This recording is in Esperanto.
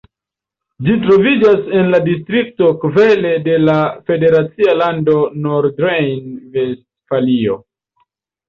Ĝi troviĝas en la distrikto Kleve de la federacia lando Nordrejn-Vestfalio.